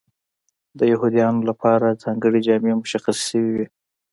د یهودیانو لپاره ځانګړې جامې مشخصې شوې وې.